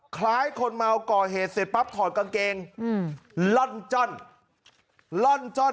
คล้ายคนเมาก่อเหตุเสร็จปั๊บถอดกางเกงล่อนจ้อนล่อนจ้อน